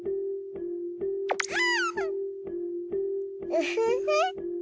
ウフフ！